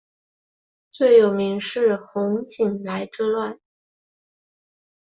最有名是洪景来之乱。